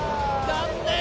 残念！